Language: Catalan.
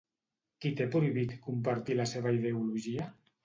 Qui té prohibit compartir la seva ideologia?